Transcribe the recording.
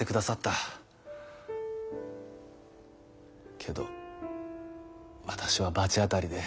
けど私は罰当たりで。